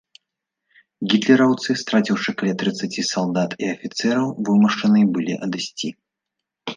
Гітлераўцы, страціўшы каля трыццаці салдат і афіцэраў, вымушаныя былі адысці.